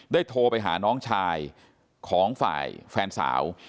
โทรไปหาน้องชายของฝ่ายแฟนสาว